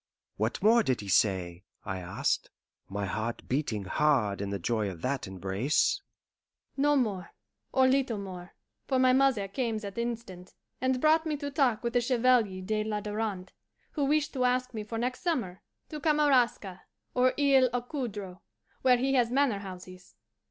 "What more did he say?" I asked, my heart beating hard in the joy of that embrace. "No more, or little more, for my mother came that instant and brought me to talk with the Chevalier de la Darante, who wished to ask me for next summer to Kamaraska or Isle aux Coudres, where he has manorhouses.